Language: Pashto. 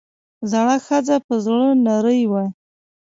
زړه ښځه پۀ زړۀ نرۍ وه ـ